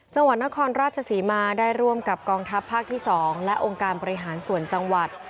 จังหวัดนครราชศรีมาได้ร่วมกับกองทัพภาคที่๒และองค์การบริหารส่วนจังหวัด